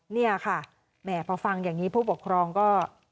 เนี่ยค่ะแหมพอฟังอย่างนี้ผู้ปกครองก็